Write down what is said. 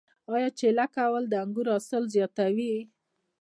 آیا چیله کول د انګورو حاصل زیاتوي؟